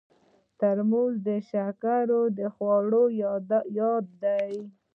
ترموز د شکر خوړلو یاد دی.